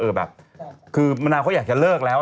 แบบคือมะนาวเขาอยากจะเลิกแล้ว